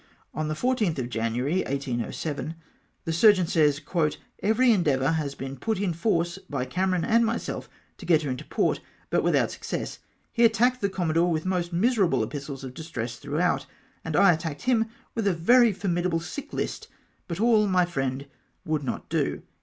On the 14th of January, 1807, the sur geon says, — "Every endeavour has been put in force by Cameron and myself to get her into port, but without suc cess. He attacked the commodore with most miserable epistles of distress throughout, and I attacked him with a very formidable sick list, but all, my friend, would not do."